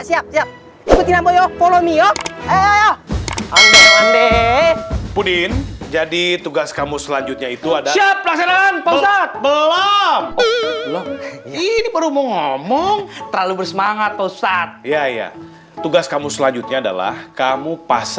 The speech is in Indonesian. siap siap ikuti namanya follow me yo ayo ande ande pudin jadi tugas kamu selanjutnya